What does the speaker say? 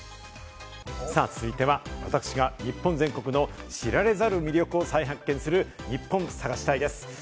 続いては、私が日本全国の知られざる魅力を再発見するニッポン探し隊！です。